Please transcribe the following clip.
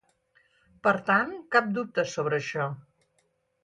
Per tant, cap dubte sobre això.